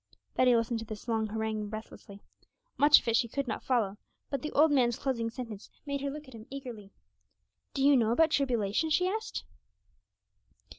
Betty listened to this long harangue breathlessly. Much of it she could not follow, but the old man's closing sentence made her look at him eagerly. 'Do you know about tribulation?' she asked.